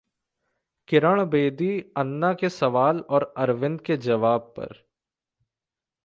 किरण बेदी अन्ना के सवाल और अरविंद के जवाब पर